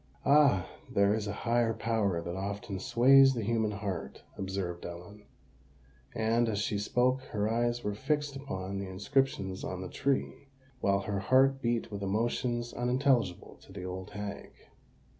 "Ah! there is a higher power that often sways the human heart," observed Ellen; and, as she spoke, her eyes were fixed upon the inscriptions on the tree, while her heart beat with emotions unintelligible to the old hag.